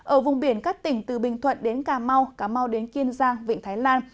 ở vùng biển các tỉnh từ bình thuận đến cà mau cà mau đến kiên giang vịnh thái lan